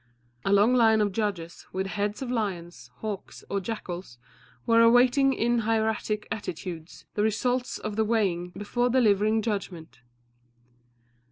A long line of judges, with heads of lions, hawks, or jackals, were awaiting in hieratic attitudes the result of the weighing before delivering judgment.